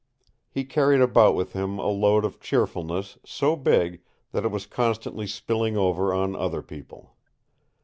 He carried about with him a load of cheerfulness so big that it was constantly spilling over on other people.